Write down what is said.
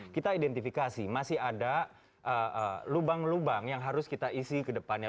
kita identifikasi masih ada lubang lubang yang harus kita isi ke depannya